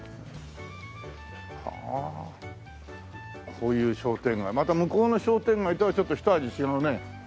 こういう商店街また向こうの商店街とはちょっとひと味違うね。